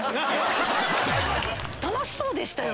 楽しそうでしたよ